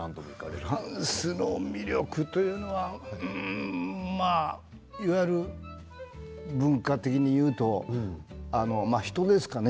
フランスの魅力というのはいわゆる文化的に言うと人ですかね。